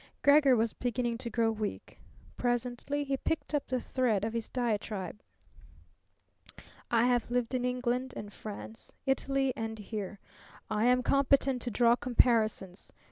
Gregor was beginning to grow weak. Presently he picked up the thread of his diatribe. "I have lived in England, France, Italy, and here. I am competent to draw comparisons.